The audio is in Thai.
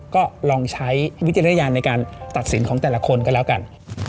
ก็ลองใช้วิจารณญาณในการตัดสินของแต่ละคนก็แล้วกัน